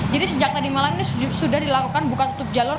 jadi sejak tadi malam ini sudah dilakukan buka tutup jalur